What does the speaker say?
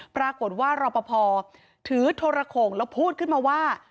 ปรากฏว่ารอปภถือโทรโข่งแล้วพูดขึ้นมาว่า